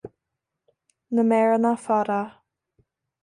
Na méireanna fada